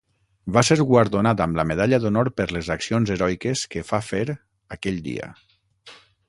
Va ser guardonat amb la Medalla d'Honor per les accions heroiques que fa fer aquell dia.